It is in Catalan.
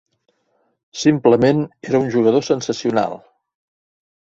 Simplement era un jugador sensacional.